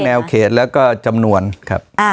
แนวเขตแล้วก็จำนวนครับ